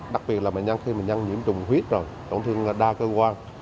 đặc biệt là bệnh nhân khi bệnh nhân nhiễm trùng huyết rồi tổn thương đa cơ quan